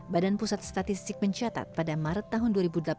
badan pusat statistik mencatat pada maret tahun dua ribu delapan belas